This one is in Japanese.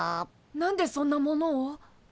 何でそんなものを？